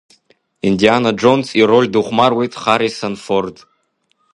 Индиана Джонс ироль дыхәмаруеит Харрисон Форд.